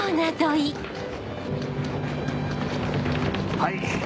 はい！